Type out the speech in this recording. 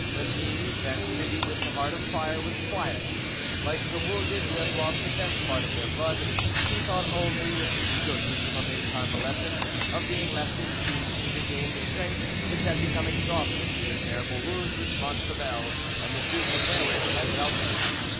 But Nimes, that city with the heart of fire, was quiet; like the wounded who have lost the best part of their blood, she thought only, with the egotism of a convalescent, of being left in peace to regain the strength which had become exhausted through the terrible wounds which Montrevel and the Duke of Berwick had dealt her.